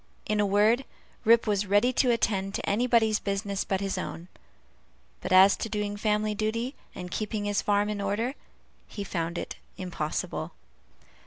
In a word, Rip was ready to attend to anybody's business but his own; but as to doing family duty, and keeping his farm in order, he found it impossible.